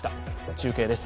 中継です。